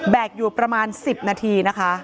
ภารกิจแรงรประมาณ๑๐นาที